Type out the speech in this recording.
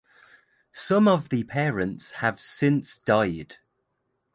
Some of the parents have since died.